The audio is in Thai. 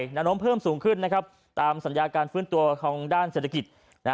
ประโณมพึ่งสูงขึ้นตามสัญญาการฟื้นตัวของด้านเศรษฐกิจ